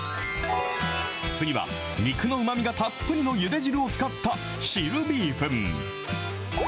次は、肉のうまみがたっぷりのゆで汁を使った汁ビーフン。